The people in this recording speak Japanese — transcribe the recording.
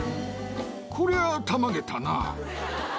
こりゃ、たまげたな。